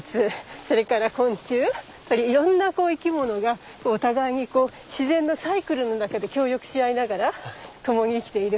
それから昆虫いろんな生き物がお互いにこう自然のサイクルの中で協力し合いながら共に生きている。